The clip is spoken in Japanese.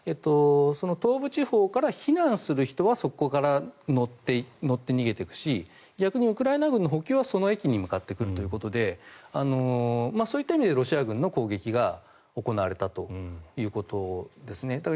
東部地方から避難する人はそこから乗って逃げていくし逆にウクライナ軍の補給はその駅に向かってくるということでそういう意味でロシア軍の攻撃が行われたということですね。